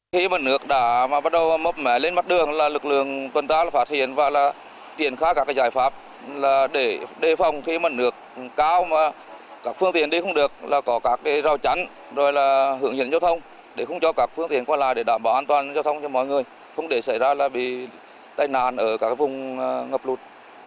khi mặt nước đã bắt đầu mập mẻ lên mặt đường là lực lượng tuần ta phát hiện và tiện khá các giải pháp để đề phòng khi mặt nước cao mà các phương tiện đi không được là có các rào chắn rồi là hưởng nhận giao thông để không cho các phương tiện qua lại để đảm bảo an toàn giao thông cho mọi người không để xảy ra là bị tai nạn ở các vùng ngập lụt